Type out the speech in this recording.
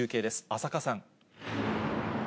浅賀さん。